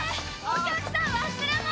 お客さん忘れ物！